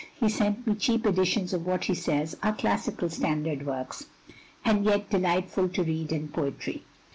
He sent me cheap editions of what he says are classical standard works, and yet delightful to read, and poetry.